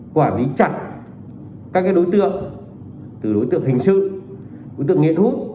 quản lý chặt các đối tượng từ đối tượng hình sự đối tượng nghiện hút